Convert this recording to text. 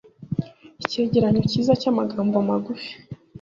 Icyegeranyo Cyiza cyamagambo magufi.